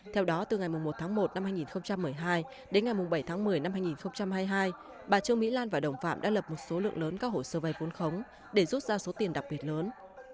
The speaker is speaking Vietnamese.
theo đó từ ngày một tháng một năm hai nghìn một mươi hai đến ngày bảy tháng một mươi năm hai nghìn hai mươi hai bà trương mỹ lan và đồng phạm đã lập một số lượng lớn các hồ sơ vay vốn khống để rút ra số tiền đặc biệt lớn